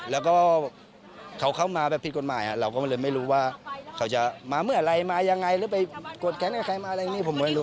แล้วก็เขาเข้ามาแบบผิดกฎหมายเราก็เลยไม่รู้ว่าเขาจะมาเมื่ออะไรมายังไงหรือไปโกรธแค้นกับใครมาอะไรอย่างนี้ผมไม่รู้